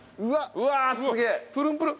うわすげえ！